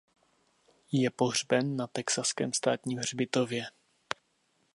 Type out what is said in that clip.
Je pohřben na Texaském státním hřbitově.